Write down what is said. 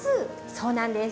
そうなんです。